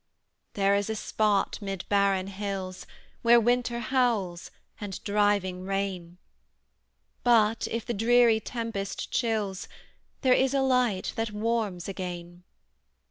There is a spot, 'mid barren hills, Where winter howls, and driving rain; But, if the dreary tempest chills, There is a light that warms again.